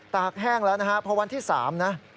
ตากแห้งแล้วนะฮะพอวันที่๓นะ